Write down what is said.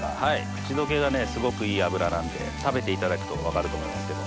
口溶けがすごくいい脂なんで食べていただくと分かると思いますけど。